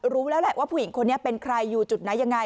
รู้แล้วแหละว่าผู้หญิงคนนี้เป็นใครอยู่จุดไหนยังไง